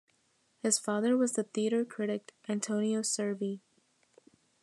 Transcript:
His father was the theatre critic Antonio Cervi.